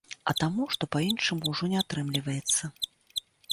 А таму, што па-іншаму ўжо не атрымліваецца.